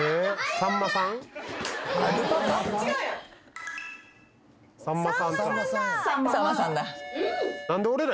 さんまさんだ！